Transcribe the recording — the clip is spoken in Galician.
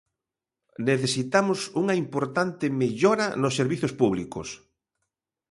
Necesitamos unha importante mellora nos servizos públicos.